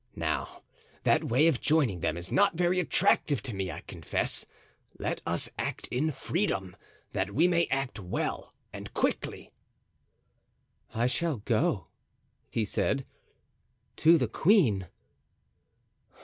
Now, that way of joining them is not very attractive to me, I confess. Let us act in freedom, that we may act well and quickly." "I shall go," he said, "to the queen."